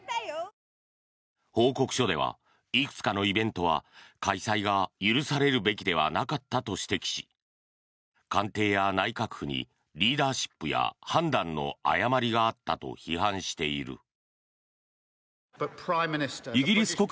報告書ではいくつかのイベントは開催が許されるべきではなかったと指摘し官邸や内閣府にリーダーシップや判断の誤りがあったと批判している。